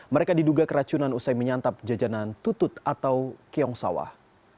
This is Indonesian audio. mereka diduga keracunan usai menyantap jajanan tutut atau kiong sawah